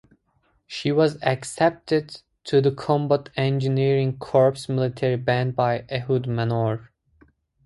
She was accepted to the Combat Engineering Corps military band by Ehud Manor.